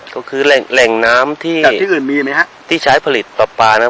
ก็คือแหล่งน้ำที่จากที่อื่นมีไหมฮะที่ใช้ผลิตปลาปลานั้น